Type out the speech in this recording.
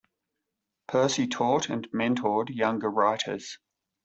Percy taught and mentored younger writers.